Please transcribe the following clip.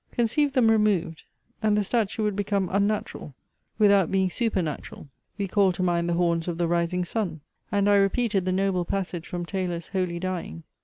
Conceive them removed, and the statue would become un natural, without being super natural. We called to mind the horns of the rising sun, and I repeated the noble passage from Taylor's HOLY DYING.